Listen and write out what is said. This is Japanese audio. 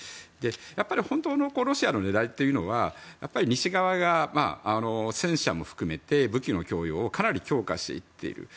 やっぱり本当のロシアの狙いというのは西側が戦車も含めて武器の供与をかなり強化していっている。